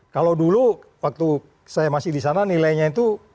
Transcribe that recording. kalau dulu waktu saya masih di sana nilainya itu